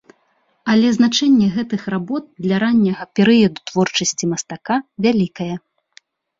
Але значэнне гэтых работ для ранняга перыяду творчасці мастака вялікае.